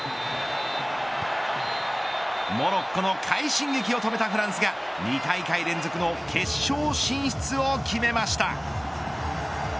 モロッコの快進撃を止めたフランスが２大会連続の決勝進出を決めました。